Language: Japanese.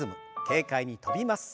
軽快に跳びます。